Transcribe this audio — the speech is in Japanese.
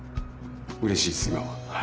うれしいです今は。